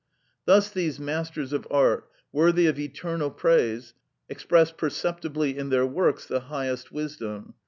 Thus these masters of art, worthy of eternal praise, expressed perceptibly in their works the highest wisdom.